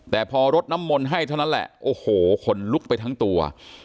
แต่พอรดน้ำมนต์ให้เท่านั้นแหละโอ้โหขนลุกไปทั้งตัว